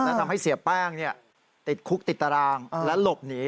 และทำให้เสียแป้งติดคุกติดตารางและหลบหนี